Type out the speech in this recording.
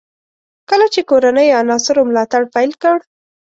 کله چې کورنیو عناصرو ملاتړ پیل کړ.